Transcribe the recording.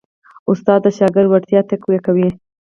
استاد د شاګرد وړتیا تقویه کوي.